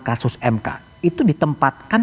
kasus mk itu ditempatkan